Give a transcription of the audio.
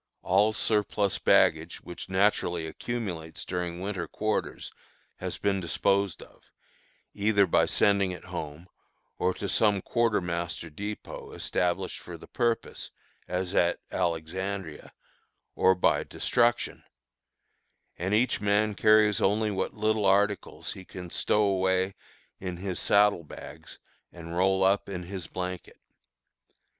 All surplus baggage, which naturally accumulates during winter quarters, has been disposed of, either by sending it home, or to some quartermaster dépôt, established for the purpose, as at Alexandria, or by destruction; and each man carries only what little articles he can stow away in his saddle bags and roll up in his blanket.